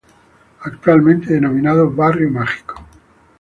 Actualmente denominado barrio mágico.